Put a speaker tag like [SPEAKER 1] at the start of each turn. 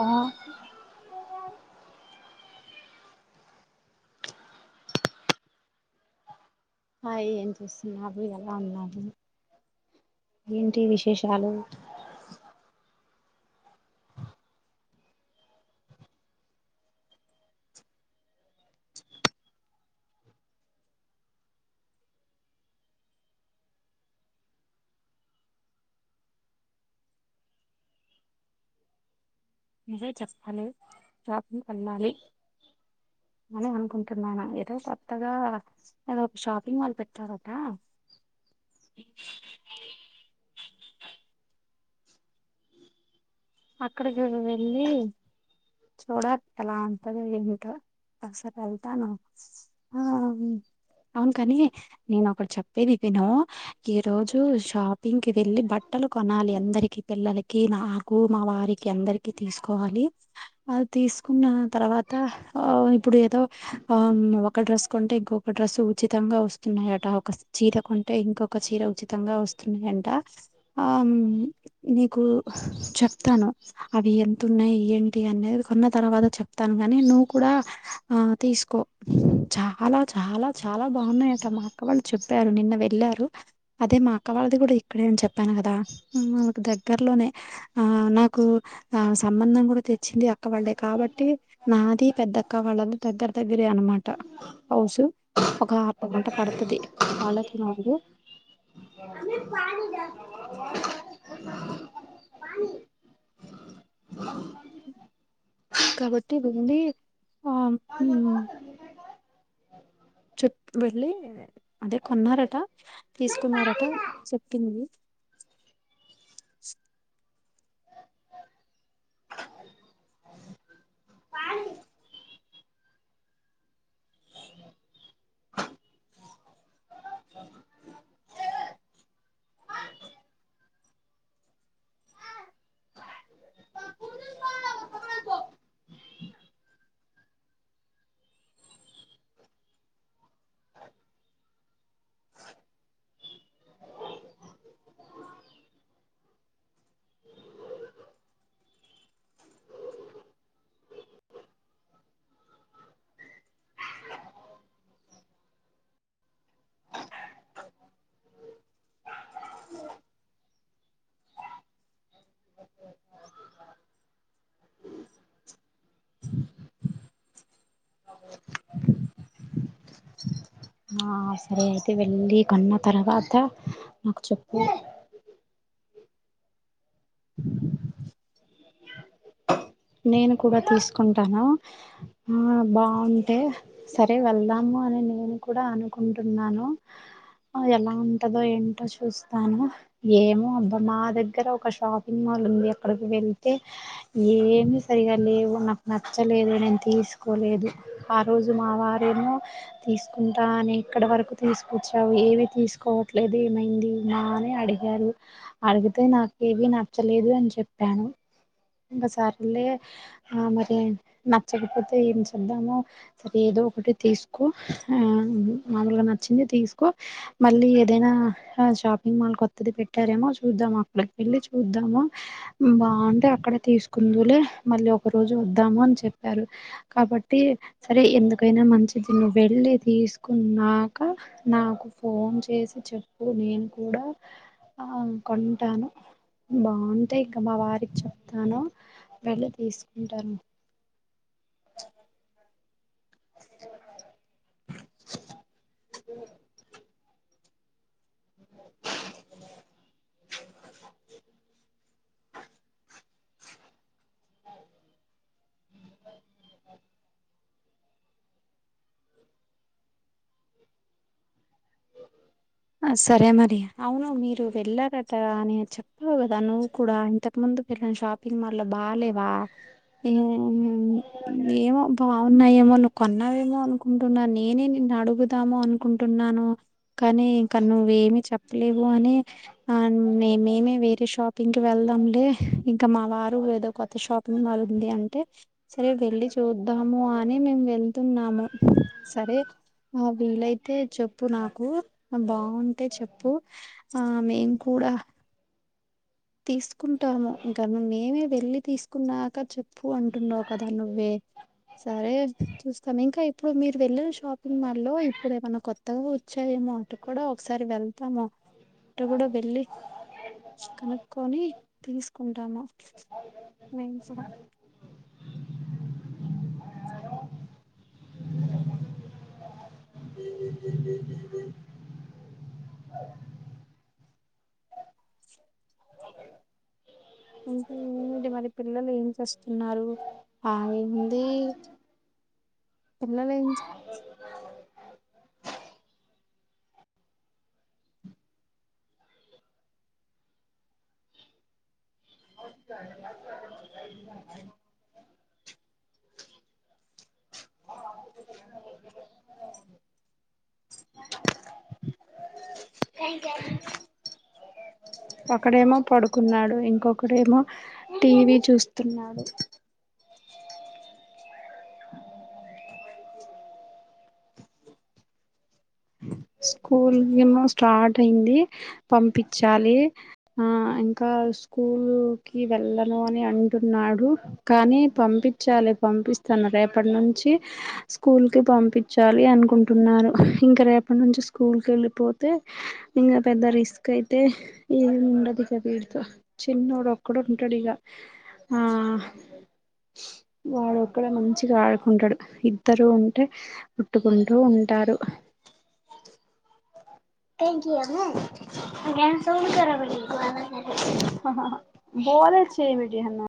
[SPEAKER 1] ఆ అ ఏం చేస్తున్నావు ఎలా ఉన్నావు ఏంటి విశేషాలు
[SPEAKER 2] నువ్వే చెప్పాలి షాపింగ్ వెళ్ళాలి అని అనుకుంటున్ననా ఏదో కొత్తగా ఏదో ఒక షాపింగ్ మాల్ పెట్టారట [unintelligible] అక్కడికి వెళ్ళి చూడ ఎలా ఉంటంది ఏమిటో బస్కెళ్తను అ అవును కాని నేను ఒకటి చెప్పేది విను ఈ రోజు షాపింగ్ కి వెళ్ళి బట్ బట్టలు కొనాలి అందరికీ పిల్లలకి నా నాకు మా వారికి అందరికి తీసుకోవాలి అ తీసుకున్న తర్వాత అ ఇప్పుడు ఏదో ఆ ఒక డ్రెస్ కొంటే ఇంకొక డ్రస్ ఉచితంగా వస్తున్నాయట ఒక చీర కొ కొంటే ఇంకొక చీర ఉచితంగా వస్తున్నాయంట ఆ నీకు రేపు చెప్తాను అవి ఎతు ఉన్నాయి ఏంటి అనేది కొన్న తర్వాత చెప్తాను కాగాని నువ్వు కూడా ఆ తీసుకో చాలా చాలా చాలా బాగున్నాయట మా అక్క వాళ్ళు చెప్పారు నిన్న వెళ్ళ వెళ్ళారు అదే మా అక్క వాళ్ది కూడా ఇక్కడే అని చెప్పాను కదా మకు దగ్గర్లోనే ఆ నాకు ఆ సంబంధం కూడా తెచ్చింది అక్క వాళ్లే కాబట్టి నాది పెద్దక్క వాళ్ళ దగ్గర దగ్గరే అన్నమాట హౌస్ ఒక అర్ధ గంట పడుతుది వాళ్ళకి మకు
[SPEAKER 1] మమ్మీ పలిడ
[SPEAKER 2] కాబటి భూంది
[SPEAKER 1] అ కున కుంది కై కై
[SPEAKER 2] వెళ్ళి అదే కొన్నారట తీసుకున్నారట చెప్పింది [unintelligible]
[SPEAKER 1] ఆ సరే అయితే వెళ్లి అన్న తర్వాత నాకు చెప్పు నేను కూడా తీసుకుంటాను ఆ బాగుంటే సరే వెళ్దాము అని నేను కూడా అనుకుంటున్నాను ఎలా ఉంటదో ఏంటో చూస్తాను ఏమో అబ్బా మా దగ్గర ఒక షాపింగ్ మాల్ ఉంది ఎక్కడికి వెళ్తే ఏమి సరిగా లేవు నాకు నచ్చలేదు నేను తీసుకోలేదు ఆ రోజు మా వారేమో తీసుకుంటా అని ఇక్కడ వరకు తీసుకొచ్చావు ఏవి తీసుకోవట్లేదు ఏమైందిమా అని అడి అడిగారు అడిగితే నాక ఏవి నచ్చలేదు అని చెప్పాను ఇంకసారి లె మరి నచ్చకపోతే ఏం చేద్దామో సర ఏదో ఒకటి తీసుకో మామూలుగా నచ్చింది తీసుకో మళ్ళీ ఏదైనా షాపింగ్ మాల్ కొత్తది పెట్టారేమో చూద్దాం అక్కడికి వెళ్ళి చూద్దాము బాగుంటే అక్కడ తీసుకు ఎందుకులె మళ్ళీ ఒక రోజు వద్దాము అని చెప్పారు కాబట్టి సరే ఎందుకైనా మంచి వెళ్ళి తీసుకున్నాక నాకు ఫోన్ చేసి చెప్పు నేను కూడా ఆ కొంటాను బాగుంటే ఇంకా మా వారికి చెప్తాను వెళ తీసుకుంటాను [unintelligible] [unintelligible]
[SPEAKER 2] ఆ సరే మరి అవును మీరు వెళ్ళారటా అని చెప్ నువ్ గదా నువ్ కూడా ఇంతకు ముందు వెళ్ళిన షపింగ్ మాల్లో బాలేవా ఏ ఏమో బాగున్నాయేమో నువ్వు కొన్నావేమో అనుకుంటున్నా నేనే నిన్ అడుగుదాము అనుకుంటున్నాను కానీ కానీ నువ్వేమి చెప్పలేవు అనే ఆ మేమేమి వేరే షాపింగ్కి వెళ్దాంలే ఇంకా మా వారు ఏదో కొత్త షాపింగ్ మాల్ ఉంది అంటే సరే వెళ్ళి చూద్దాము అని మేం మేము వెళ్తున్నాము సరే ఆ వీలైతే చెప్పు నాకు బాగుంటే చెప్పు ఆ మేం కూడా తీసుకుంటాము ఇంకా నువ్ మేమే వెళ్ళి తీసుకున్నాక చెప్పు అంటున్నావు కదా నువ్వే సరే చూస్తాం ఇంకా ఇప్పుడు మీరు వెళ్ళరు షాపింగ్ మాల్లో ఇప్పుడు ఏమన్నా కొత్తగా వచ్చాయ మేము అటు కూడా ఒకసారి వెళ్తాము అటు కూడా వెళ్ళి కనుక్కొని తీసుకుంటాము మేము కూడా ఏమిటి మరి పిల్లలు ఏం చేస్తున్నారు ఆ ఏంది పిల్లల ఏం చెస్
[SPEAKER 1] [unintelligible] కయిక ఒకడేమో పడుకున్నాడు ఇంకొకడేమో టీవీ చూస్తున్నాడు స్కూల్ ఏమో స్టార్ట్ అయింది పంపించాలి ఆ ఇంకా స్కూల్ కి వెళ్ళను అని అం టున్నాడు కానీ పంపించాలి పంపిస్తాను రేపటి నుంచి స్కూల్ కి పం పంపించాలి అనుకుంటున్నారు ఇంకా రేపు అప్పటి నుంచి స్కూల్కి వెళ్ళిపోతే ఇంకా పెద్ద రిస్క్ అయితే ఏం ఉండదు కదా ఈడ తో చిన్నోడు ఒక్కడు ఉంటాడు ఇగ ఆ వాడు ఒక్కడె మంచిగా ఆడుకుంటాడు ఇద్దరు ఉంటే కొట్టుకుంటూ ఉం టారు ఫోనే చేయబిడ్డీ హేన్నో